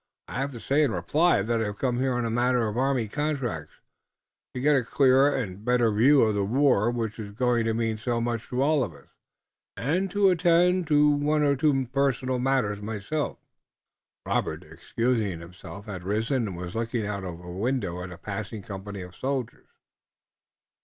I have to say in reply that I have come here on a matter of army contracts, to get a clearer and better view of the war which is going to mean so much to all of us, and to attend to one or two matters personal to myself." Robert, excusing himself, had risen and was looking out of a window at a passing company of soldiers.